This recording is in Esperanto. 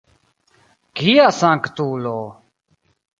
Kia sanktulo!